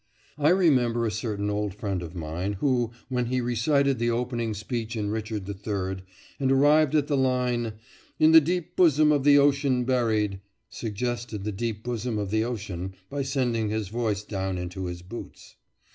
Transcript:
I remember a certain old friend of mine, who, when he recited the opening speech in "Richard III.," and arrived at the line "In the deep bosom of the ocean buried," suggested the deep bosom of the ocean by sending his voice down into his boots.